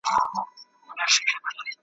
عبادت واطاعت دي خدای قبول که